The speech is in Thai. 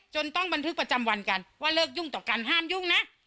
ต้องบันทึกประจำวันกันว่าเลิกยุ่งต่อกันห้ามยุ่งนะ